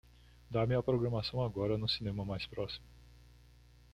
Dá-me a programação agora no cinema mais próximo